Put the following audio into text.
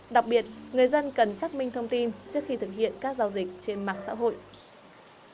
đặc biệt người dân cần xác minh thông tin trước khi thực hiện các giao dịch trên mạng xã hội